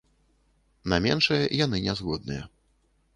На меншае яны не згодныя.